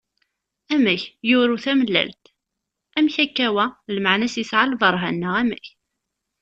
Amek! yuru tamellalt, amek akka wa? Lmeɛna-s yesɛa lberhan neɣ amek?